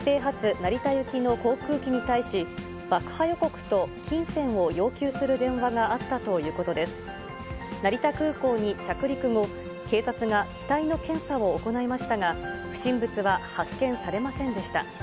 成田空港に着陸後、警察が機体の検査を行いましたが、不審物は発見されませんでした。